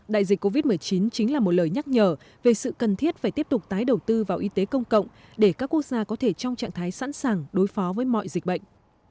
đại dịch covid một mươi chín chính là một lời nhắc nhở về sự cần thiết phải tiếp tục tái đầu tư vào y tế công cộng để các quốc gia có thể trong trạng thái sẵn sàng đối phó với mọi dịch bệnh